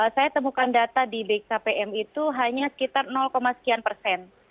saya temukan data di bkpm itu hanya sekitar sekian persen